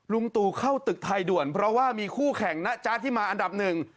ลุงตู่เข้าตึกไทยด่วนเพราะว่ามีคู่แข่งนะจ๊ะที่มาอันดับหนึ่ง